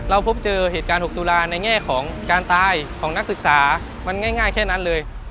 พบเจอเหตุการณ์๖ตุลาในแง่ของการตายของนักศึกษามันง่ายแค่นั้นเลย